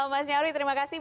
mas nyawri terima kasih